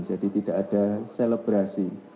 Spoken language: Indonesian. jadi tidak ada selebrasi